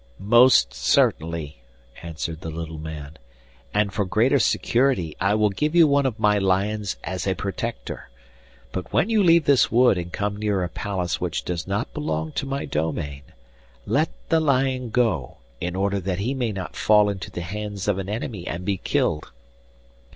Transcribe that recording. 'Most certainly,' answered the little man; 'and for greater security I will give you one of my lions as a protector. But when you leave this wood and come near a palace which does not belong to my domain, let the lion go, in order that he may not fall into the hands of an enemy and be killed.